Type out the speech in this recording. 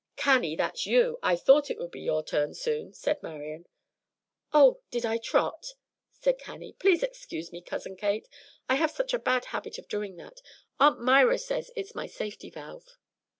"Cannie, that's you. I thought it would be your turn soon," said Marian. "Oh! did I trot?" said Cannie. "Please excuse me, Cousin Kate. I have such a bad habit of doing that. Aunt Myra says it's my safety valve."